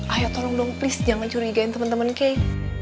ayah tolong dong please jangan curigain temen temen kay